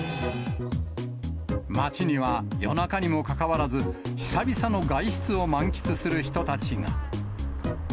街には、夜中にもかかわらず、久々の外出を満喫する人たちが。